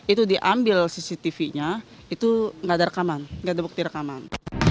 itu diambil cctv nya itu nggak ada rekaman nggak ada bukti rekaman